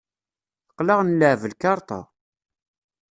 Aql-aɣ nleɛɛeb lkarṭa.